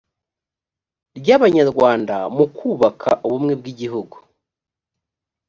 ry abanyarwanda mu kubaka ubumwe bw igihugu